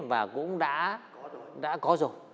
và cũng đã có rồi